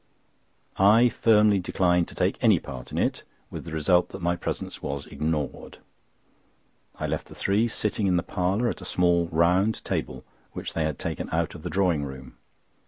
I firmly declined to take any part in it, with the result that my presence was ignored. I left the three sitting in the parlour at a small round table which they had taken out of the drawing room.